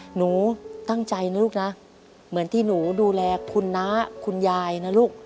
หนูตั้งใจนะลูกนะเหมือนที่หนูดูแลคุณน้าคุณยายนะลูก